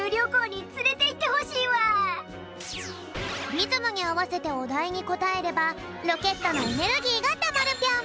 リズムにあわせておだいにこたえればロケットのエネルギーがたまるぴょん。